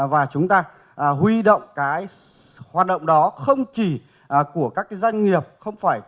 và chúng ta huy động cái hoạt động đó không chỉ của các doanh nghiệp